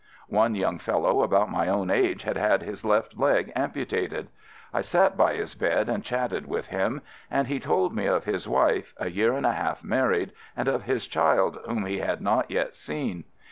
One young fellow about my own age had had his left leg amputated. I sat by his bed and chatted with him, and he told me of his wife — a year and a half married — and of his child whom he had not yet seen.